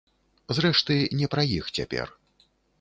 Зрэшты, не пра іх цяпер.